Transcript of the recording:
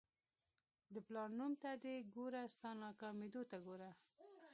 د پلار نوم ته دې ګوره ستا ناکامېدو ته ګوره.